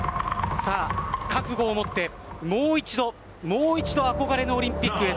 覚悟を持って、もう一度もう一度憧れのオリンピックへ。